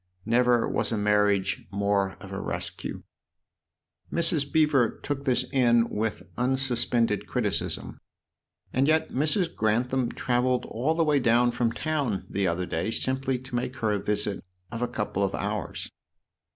Never was a mar riage more of a rescue." Mrs. Beever took this in with unsuspended criticism. "And yet Mrs. Grantham travelled all the way down from town the other day simply to make her a visit of a couple of hours."